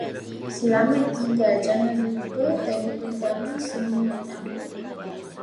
Selamat tinggal jangan lupa telefon kami semua tahu